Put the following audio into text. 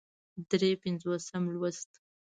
درې پينځوسم لوست